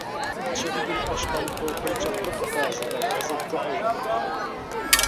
چېكىدىن ئاشقان قورقۇنچاقلىق بەزىدە غەزەپكە ئايلىنىپ قالىدۇ.